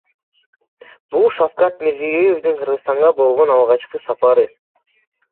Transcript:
Бул Шавкат Мирзиёевдин Кыргызстанга болгон алгачкы сапары.